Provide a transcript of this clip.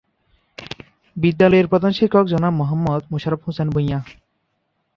বিদ্যালয়ের প্রধান শিক্ষক জনাব মোহাম্মদ মোশাররফ হোসেন ভূঁইয়া।